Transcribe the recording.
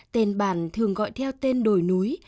tên bản thường gọi theo tên đồi núi